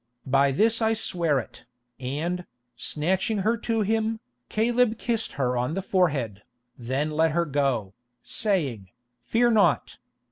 By this I swear it," and, snatching her to him, Caleb kissed her on the forehead, then let her go, saying, "Fear not.